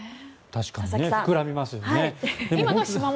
確かにね膨らみますよね。